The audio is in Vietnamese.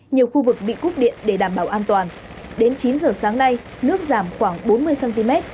nhiều khu vực bị cúp điện để đảm bảo an toàn đến chín giờ sáng nay nước giảm khoảng bốn mươi cm